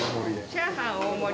チャーハン大盛り。